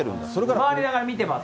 回りながら見てます。